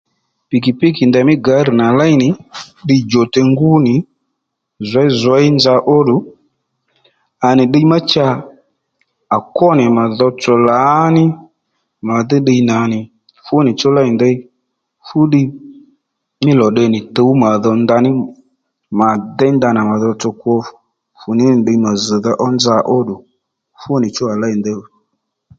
Pìkìpíkì ndèymí gǎr nà léy nì ddiy djòtey ngúnì zweyzwey nza óddù à nì ddiy má cha à kwó nì mà dhotsò lǎní màdhí ddiy nà nì fúnìchú lêy ndey fúddiy mí lò tde nì tǔw mà dho ndaní mà déy ndanà mà dhotsò kwo fùní nì ddiy mà zz̀dha ó nza óddù fúni chú lêy ndey